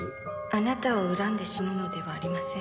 「あなたを恨んで死ぬのではありません」